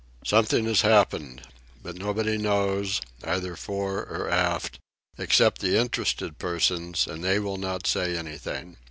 Something has happened. But nobody knows, either fore or aft, except the interested persons, and they will not say anything.